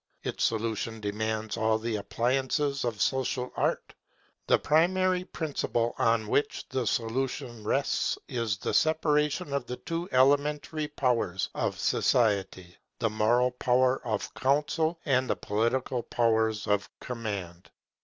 Its solution demands all the appliances of Social Art. The primary principle on which the solution rests, is the separation of the two elementary powers of society; the moral power of counsel, and the political powers of command.